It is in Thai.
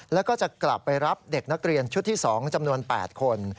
แล้วก็จะกลับไปรับเด็กนักเรียนชุดที่๒จำนวน๘คน